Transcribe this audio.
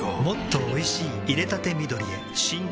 もっとおいしい淹れたて緑へ新！